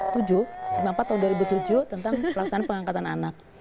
lima puluh empat tahun dua ribu tujuh tentang pelaksanaan pengangkatan anak